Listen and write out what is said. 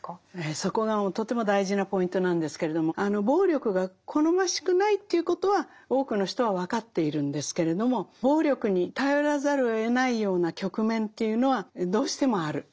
そこがとても大事なポイントなんですけれども暴力が好ましくないということは多くの人は分かっているんですけれども暴力に頼らざるをえないような局面というのはどうしてもある。